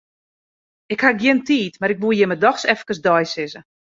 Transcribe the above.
Ik haw gjin tiid, mar 'k woe jimme doch efkes deisizze.